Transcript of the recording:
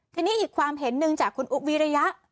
ทีนี้อีกความเห็นหนึ่งจากคุณอุ๊บวิริยะ